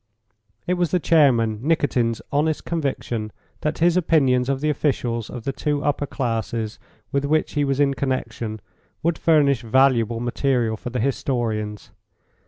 It was the chairman, Nikitin's, honest conviction that his opinions of the officials of the two upper classes with which he was in connection would furnish valuable material for the historians.